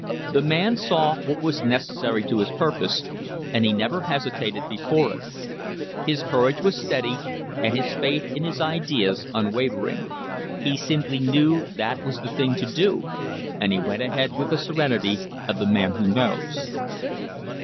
The man saw what was necessary to his purpose, and he never hesi tated before it. His courage was steady and his faith in his ideas unwavering. He simply knew that was the thing to do, and he went ahead with the serenity of the man who knows.